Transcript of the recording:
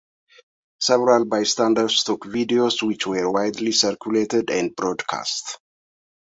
Several bystanders took videos which were widely circulated and broadcast.